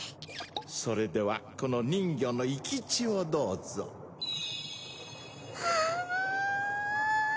それではこの人魚の生き血をどうぞはあ